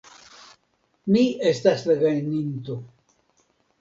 Mi estas la gajninto.